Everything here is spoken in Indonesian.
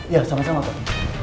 ya sama sama pak